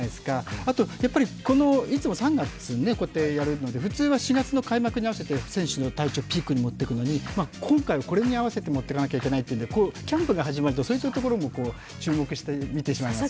あといつも３月にこうやってやるので、普通は４月の開幕に合わせて選手の体調をピークに持っていくのに今回はこれに合わせて持っていかなきゃいけないということでキャンプが始まるとそういったところも注目して見てしまいますよね。